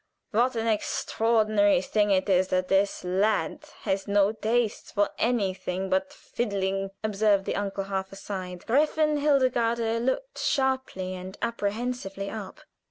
What an extraordinary thing it is that this lad has no taste for anything but fiddling," observed the uncle, half aside. Gräfin Hildegarde looked sharply and apprehensively up.